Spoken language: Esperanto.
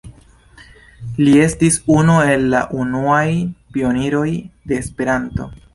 Li estis unu el la unuaj pioniroj de Esperanto.